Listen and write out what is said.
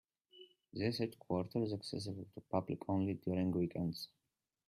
This headquarter is accessible to public only during weekends.